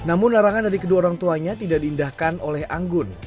namun larangan dari kedua orang tuanya tidak diindahkan oleh anggun